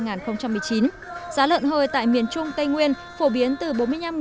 giá lợn hơi tại miền trung tây nguyên phổ biến từ bốn mươi năm đến năm mươi đồng